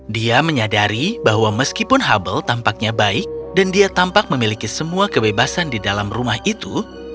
dia menyadari bahwa meskipun hubble tampaknya baik dan dia tampak memiliki semua kebebasan di dalam rumah itu